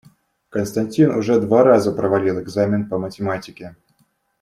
Константин уже два раза провалил экзамен по математике.